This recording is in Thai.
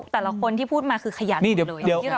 แต่ละคนที่พูดมาคือขยันหมดเลย